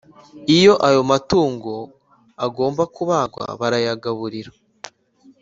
Iyo ayo matungo agomba kubagwa barayagaburira